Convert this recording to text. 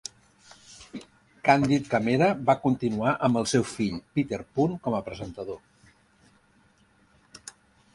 "Candid Camera" va continuar amb el seu fill, Peter Punt, com a presentador.